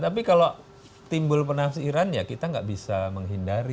tapi kalau timbul penafsiran ya kita nggak bisa menghindari